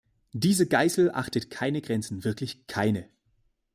Diese Geißel achtet keine Grenzen wirklich keine.